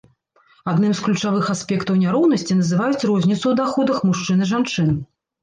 Адным з ключавых аспектаў няроўнасці называюць розніцу ў даходах мужчын і жанчын.